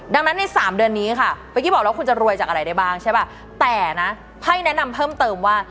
ดังนั้นใน๓เดือนนี้ค่ะเมื่อกี้บอกแล้วคุณจะรวยจากอะไรได้บ้างใช่ป่ะแต่นะไพ่แนะนำเพิ่มเติมว่า